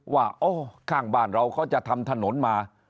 ว่าข้างบ้านเราเขาจะทำถนนมา